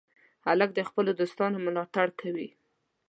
هلک د خپلو دوستانو ملاتړ کوي.